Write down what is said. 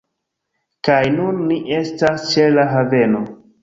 Kaj nun ni estas ĉe la haveno